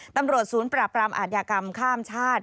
ตำรวจศูนย์ปราบรามอาทยากรรมข้ามชาติ